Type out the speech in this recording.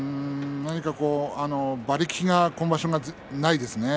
何か馬力が今場所はないですね。